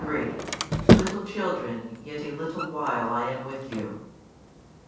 33 Little children, yet a little while I am with you.